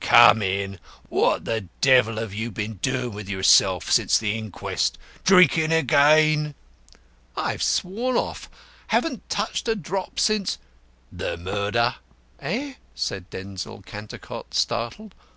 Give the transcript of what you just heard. "Come in. What the devil have you been doing with yourself since the inquest? Drinking again?" "I've sworn off. Haven't touched a drop since " "The murder?" "Eh?" said Denzil Cantercot, startled.